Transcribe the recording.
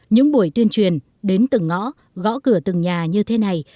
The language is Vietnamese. những buổi tuyên truyền đến từng ngõ gõ cửa từng nhà như thế này